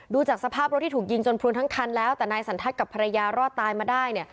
จากสภาพรถที่ถูกยิงจนพลุนทั้งคันแล้วแต่นายสันทัศน์กับภรรยารอดตายมาได้เนี่ย